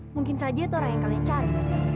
mungkin saja itu orang yang kalian cari